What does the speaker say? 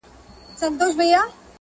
نه په خوله فریاد له سرولمبو لري.!